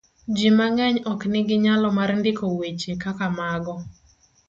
Ji mang'eny ok nigi nyalo mar ndiko weche kaka mago.